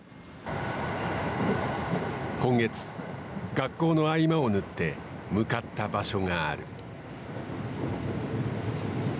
今月学校の合間を縫って向かった場所がある。